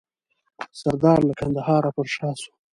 سردار له کندهار پر شا سو.